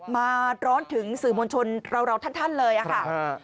มาร้อนถึงสื่อมวลชนเราท่านเลยอะค่ะ